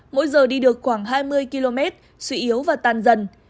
mỗi giờ đi được khoảng hai mươi km suy yếu và tan dần